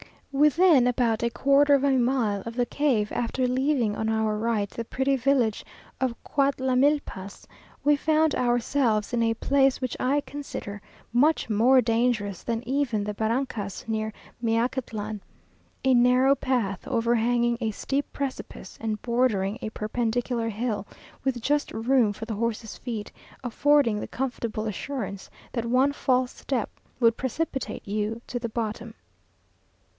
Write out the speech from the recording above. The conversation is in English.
Within about a quarter of a mile of the cave, after leaving on our right the pretty village of Cautlamilpas, we found ourselves in a place which I consider much more dangerous than even the barrancas near Meacatlan; a narrow path, overhanging a steep precipice, and bordering a perpendicular hill, with just room for the horses' feet, affording the comfortable assurance that one false step would precipitate you to the bottom.